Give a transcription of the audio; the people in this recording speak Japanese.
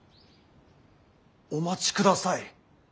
お待ちください。